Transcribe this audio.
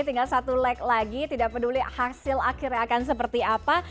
tinggal satu lag lagi tidak peduli hasil akhirnya akan seperti apa